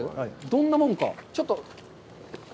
どんなもんか、ちょっと。